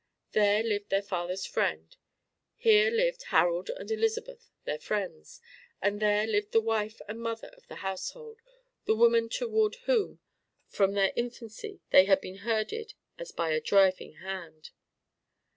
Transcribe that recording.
There lived their father's friend; there lived Harold and Elizabeth, their friends; and there lived the wife and mother of the household the woman toward whom from their infancy they had been herded as by a driving hand.